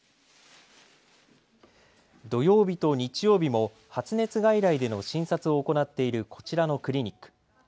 土曜日と日曜日も発熱外来での診察を行っているこちらのクリニック。